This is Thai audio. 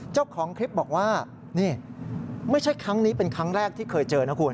เจ้าของคลิปบอกว่านี่ไม่ใช่ครั้งนี้เป็นครั้งแรกที่เคยเจอนะคุณ